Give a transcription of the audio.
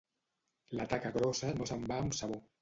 La taca grossa no se'n va amb sabó.